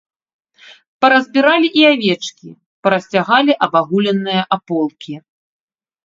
Паразбіралі і авечкі, парасцягалі абагуленыя аполкі.